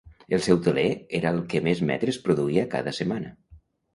El seu teler era el que més metres produïa cada setmana.